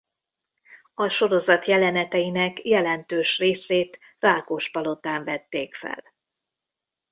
A sorozat jeleneteinek jelentős részét Rákospalotán vették fel.